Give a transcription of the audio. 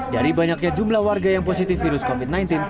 dari banyaknya jumlah warga yang positif virus covid sembilan belas